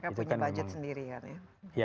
kan punya budget sendiri kan ya